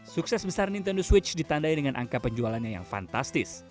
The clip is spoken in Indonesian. sukses besar nintendo switch ditandai dengan angka penjualannya yang fantastis